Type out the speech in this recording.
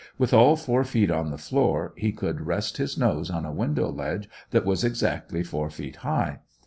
With all four feet on the floor, he could rest his nose on a window ledge that was exactly four feet high.